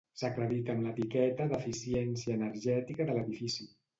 S'acredita amb l'etiqueta d'eficiència energètica de l'edifici.